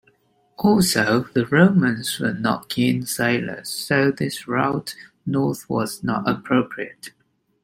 Also, the Romans were not keen sailors, so this route north was not appropriate.